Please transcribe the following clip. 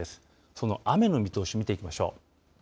その雨の見通し見ていきましょう。